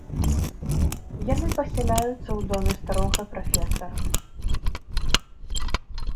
Яны пасяляюцца ў доме старога прафесара.